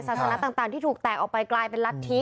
ศาสนาต่างที่ถูกแตกออกไปกลายเป็นรัฐธิ